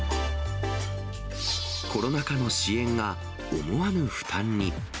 コロナ禍の支援が思わぬ負担に。